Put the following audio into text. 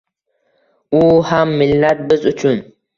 U ham millat biz uchun.